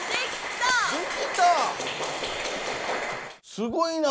すごいな！